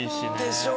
でしょ！